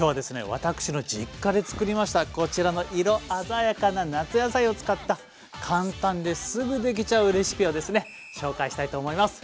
私の実家で作りましたこちらの色鮮やかな夏野菜を使った簡単ですぐできちゃうレシピをですね紹介したいと思います。